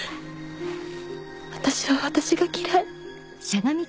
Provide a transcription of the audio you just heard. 私は私が嫌い